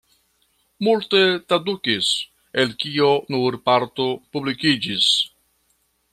Multe tradukis, el kio nur parto publikiĝis.